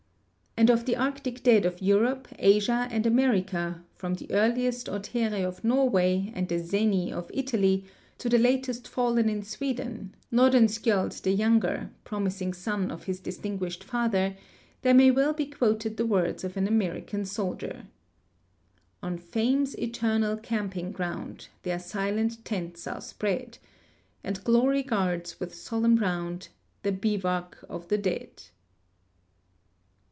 And of the Arctic dead of Europe, Asia, and America, from the earliest Othere of Norway and the Zeni of Italy to the latest fallen in Sweden, Nordenskiold the younger, promising son of his distinguished father, there may well be quoted the words of an American soldier : On Fame's eternal camping ground Their silent tents are spread, And Glory guards with solemn round The bivouac of the dead.